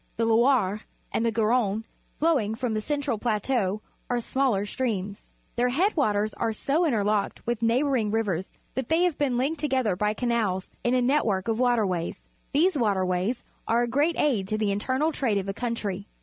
The Loire, and the Garonne , flowing from the central plateau, are smaller streams. Their head waters are so interlocked with neighbouring rivers that they have been Unked together by canals in a net work of waterways. These waterways are a great aid to the internal trade of the country.